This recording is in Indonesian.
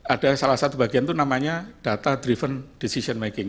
ada salah satu bagian itu namanya data driven decision making